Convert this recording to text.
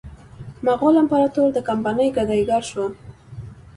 مغول امپراطور د کمپنۍ ګدایي ګر شو.